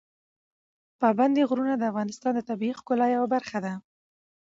پابندي غرونه د افغانستان د طبیعي ښکلا یوه برخه ده.